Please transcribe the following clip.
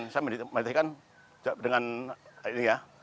saya meditasi kan dengan ini ya